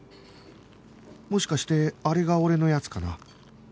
もしかしてあれが俺のやつかな？